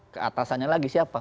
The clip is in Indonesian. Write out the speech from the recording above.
keatasannya lagi siapa